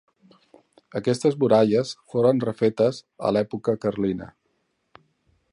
Aquestes muralles foren refetes a l'època carlina.